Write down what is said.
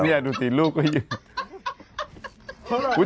นี่ดูสิลูกก็ยัง